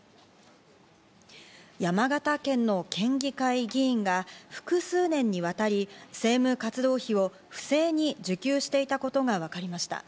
山形県の県議会議員が複数年にわたり、政務活動費を不正に受給していたことがわかりました。